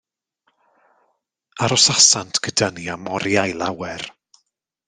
Arosasant gyda ni am oriau lawer.